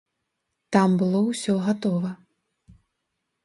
Там было ўсё гатова.